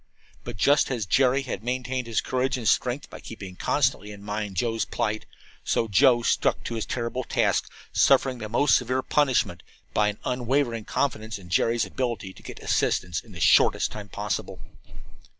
But just as Jerry had maintained his courage and strength by keeping constantly in mind Joe's plight, so Joe stuck to his terrible task, suffering the most severe punishment, by an unwavering confidence in Jerry's ability to get assistance in the shortest possible time.